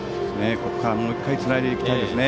ここからもう１回つないでいきたいですね。